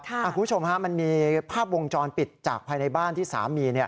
คุณผู้ชมฮะมันมีภาพวงจรปิดจากภายในบ้านที่สามี